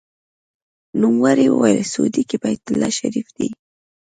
نوموړي وویل: سعودي کې بیت الله شریف دی.